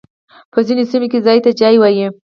په ځينو سيمو کي ځای ته جای وايي.